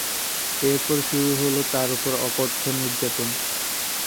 এরপর শুরু হলো তার ওপর অকথ্য নির্যাতন।